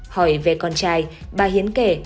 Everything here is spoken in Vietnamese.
hỏi về con trai bà hiến kể